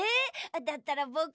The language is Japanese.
だったらぼくは。